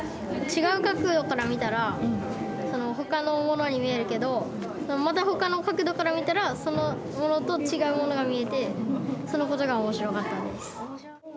違う角度から見たらその、ほかのものに見えるけどまた、ほかの角度から見たらそのものと違うものが見えてそのことが面白かったです。